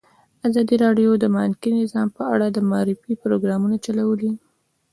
ازادي راډیو د بانکي نظام په اړه د معارفې پروګرامونه چلولي.